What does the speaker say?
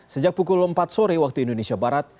sejak pukul empat sore waktu indonesia barat